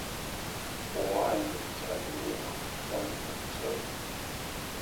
博愛明誠路口東南側